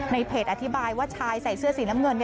เพจอธิบายว่าชายใส่เสื้อสีน้ำเงิน